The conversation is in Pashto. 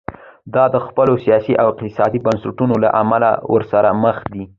دا د خپلو سیاسي او اقتصادي بنسټونو له امله ورسره مخ دي.